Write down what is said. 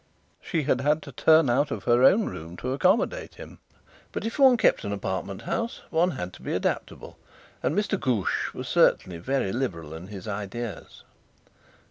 She had had to turn out of her own room to accommodate him, but if one kept an apartment house one had to be adaptable; and Mr. Ghoosh was certainly very liberal in his ideas.